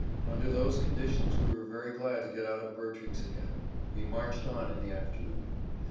Under those conditions we were very glad to get out of Bertrix again. We marched on in the afternoon.